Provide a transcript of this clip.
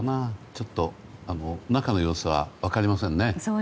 ちょっと中の様子は分かりませんね。